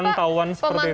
pemantauan seperti itu